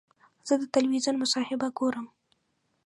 زه د تلویزیون مصاحبه ګورم.